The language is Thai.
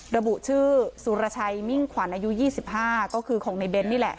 ระบุชื่อสุรชัยมิ่งขวัญอายุ๒๕ก็คือของในเบ้นนี่แหละ